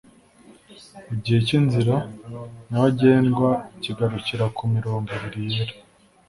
Igice cy'inzira nyabagendwa kigarukira ku mirongo ibiri yera